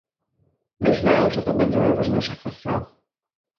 Myślę, że to będzie najważniejsza kwestia